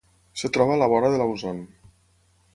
Es troba a la vora de l'Auzon.